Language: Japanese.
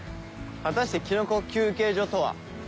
果たしてキノコ休憩所とは？